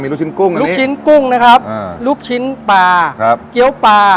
ลูกชิ้นกุ้งเลยลูกชิ้นกุ้งนะครับอ่าลูกชิ้นปลาครับเกี้ยวปลา